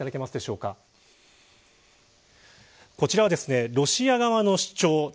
こちらはロシア側の主張。